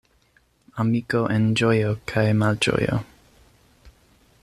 Amiko en ĝojo kaj malĝojo.